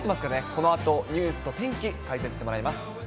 このあと、ニュースと天気、解説してもらいます。